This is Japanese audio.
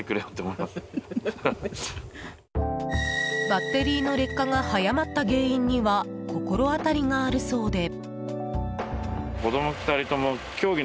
バッテリーの劣化が早まった原因には心当たりがあるそうで。